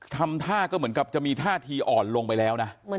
ทำท่าก็เหมือนกับจะมีท่าทีอ่อนลงไปแล้วนะ